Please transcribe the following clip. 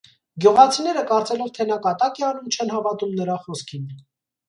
Գյուղացիները, կարծելով, թե նա կատակ է անում, չեն հավատում նրա խոսքին։